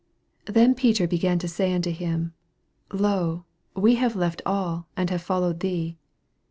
28 Then Peter began to say unto him, Lo, we have left all, and have followed thee.